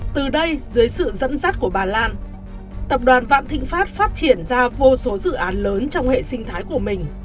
từ đây dưới sự dẫn dắt của bà lan tập đoàn vạn thịnh pháp phát triển ra vô số dự án lớn trong hệ sinh thái của mình